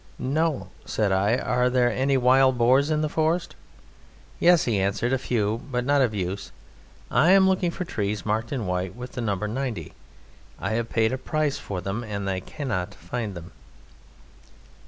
"No," said I. "Are there any wild boars in this forest?" "Yes," he answered, "a few, but not of use. I am looking for trees marked in white with the number 90. I have paid a price for them, and I cannot find them."